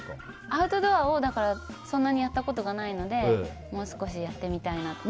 アウトドアをそんなにやったことがないのでもう少しやってみたいなと。